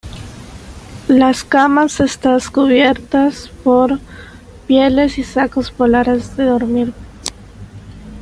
Las camas estas cubiertas por pieles y sacos polares de dormir.